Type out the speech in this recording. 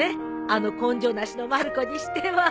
あの根性なしのまる子にしては。